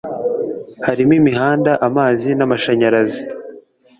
harimo imihanda, amazi, n'amashayarazi